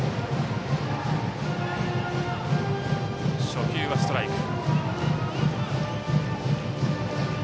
初球はストライク。